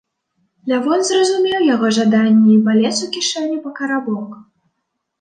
Лявон зразумеў яго жаданне і палез у кішэню па карабок.